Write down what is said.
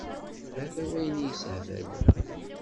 Hata wayen i y-issehbalen.